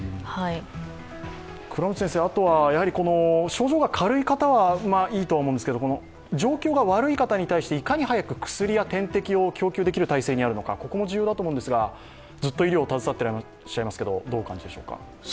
症状が軽い方はいいと思うんですけど状況が悪い方に対して、いかに早く薬や医療を供給できる体制にあるのかも重要だと思うんですが、ずっと医療に携わっていらっしゃいますが、どうお考えでしょうか。